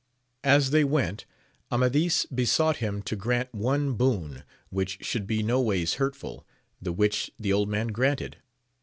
As they went, Amadis besought him to grant one boon, which should be no ways hurtful, the which the old man granted.